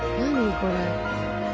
これ。